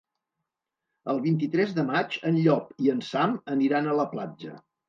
El vint-i-tres de maig en Llop i en Sam aniran a la platja.